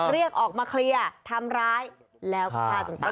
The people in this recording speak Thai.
เรียกออกมาเคลียร์ทำร้ายแล้วก็ฆ่าจนตาย